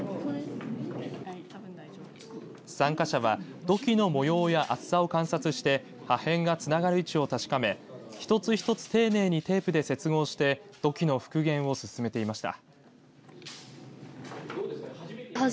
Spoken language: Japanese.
参加者は土器の模様や厚さを観察して破片がつながる位置を確かめ一つ一つ丁寧に接合して土器の復元を進めていました。